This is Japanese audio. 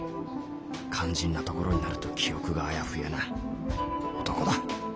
肝心なところになると記憶があやふやな男だ。